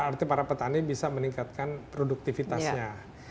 artinya para petani bisa meningkatkan produktivitasnya